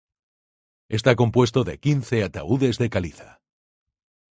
Está compuesto de quince ataúdes de caliza.